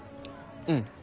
うん。